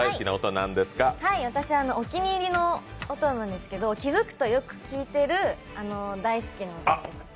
私はお気に入りの音なんですけど、気づくとよく聞いてる大好きな音です。